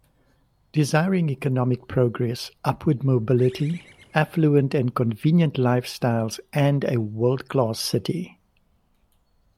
Desiring economic progress, upward mobility, affluent and convenient lifestyles and a 'world-class' city.